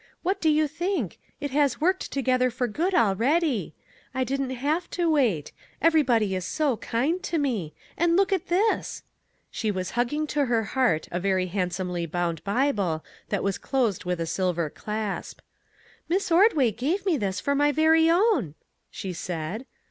What do you think? It has ' worked together for good ' already. I didn't have to wait. Everybody is so kind to me ; and look at this !" She was hugging to her heart a very handsomely bound Bible that closed with a silver clasp. " Miss Ordway gave me this MAG AND MARGARET for my very own !" she said.